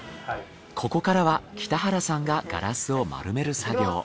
ここからは北原さんがガラスを丸める作業。